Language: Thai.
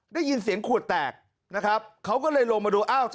ได้ยินเสียงขวดแตกนะครับเขาก็เลยลงมาดูอ้าว